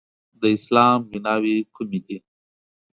د اسلام بیناوې کومې دي؟